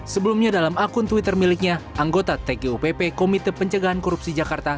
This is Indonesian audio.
sebelumnya dalam akun twitter miliknya anggota tgupp komite pencegahan korupsi jakarta